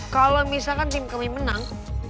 kalau misalkan tim kami menang